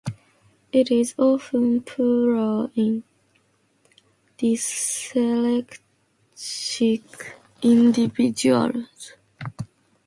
It is often poorer in dyslexic individuals.